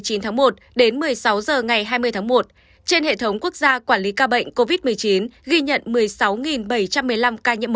tính từ một mươi sáu h ngày một mươi chín tháng một đến một mươi sáu h ngày hai mươi tháng một trên hệ thống quốc gia quản lý ca bệnh covid một mươi chín ghi nhận một mươi sáu bảy trăm một mươi năm ca nhiễm mới